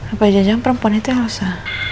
apa aja yang perempuan itu yang losa